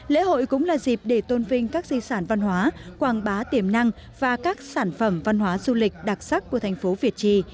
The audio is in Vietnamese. lễ hội cũng là dịp để tôn vinh các di sản văn hóa quảng bá tiềm năng và các sản phẩm văn hóa du lịch đặc sắc của thành phố việt trì